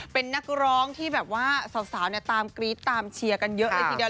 เป็นนักร้องที่แบบว่าสาวตามกรี๊ดตามเชียร์กันเยอะเลยทีเดียว